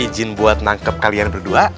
izin buat nangkep kalian berdua